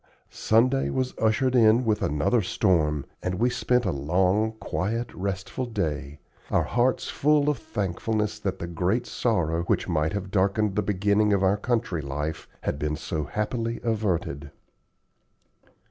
Sunday was ushered in with another storm, and we spent a long, quiet, restful day, our hearts full of thankfulness that the great sorrow, which might have darkened the beginning of our country life, had been so happily averted.